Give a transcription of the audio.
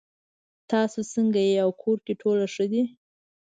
تاسو څنګه یې او کور کې ټول ښه دي